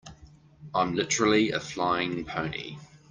I'm literally a flying pony.